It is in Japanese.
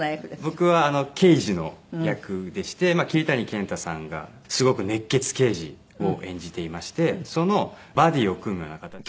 僕は刑事の役でして桐谷健太さんがすごく熱血刑事を演じていましてそのバディを組むような形でコスパ重視。